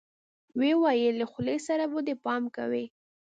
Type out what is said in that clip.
ويې ويل له خولې سره به دې پام کوې.